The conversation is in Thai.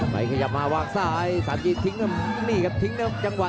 ไม้ขยับมาวางซ้ายสามจีนทิ้งมันแล้วก็วางเข่า